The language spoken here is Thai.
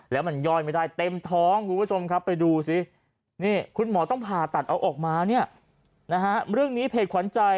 แล้วมันย่อยไม่ได้เต็มท้องคุณผู้ชมครับไปดูสินี่คุณหมอต้องผ่าตัดเอาออกมาเนี่ยนะฮะเรื่องนี้เพจขวัญใจ